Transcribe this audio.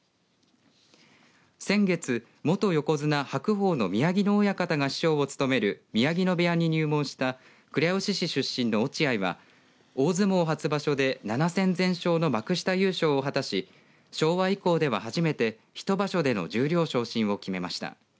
先月、元横綱白鵬の宮城野親方が師匠を務める宮城野部屋に入門した倉吉市出身の落合は大相撲初場所で７戦全勝の幕下優勝を果たし昭和以降では初めて１場所での十両昇進を決めました。